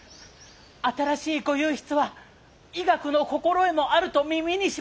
新しい御右筆は医学の心得もあると耳にしまして。